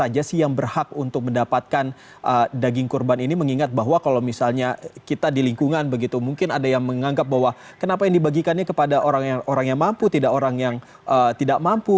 apa saja sih yang berhak untuk mendapatkan daging kurban ini mengingat bahwa kalau misalnya kita di lingkungan begitu mungkin ada yang menganggap bahwa kenapa yang dibagikannya kepada orang yang mampu tidak orang yang tidak mampu